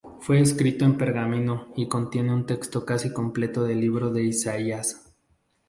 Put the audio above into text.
Fue escrito en pergamino y contiene un texto casi completo del libro de Isaías.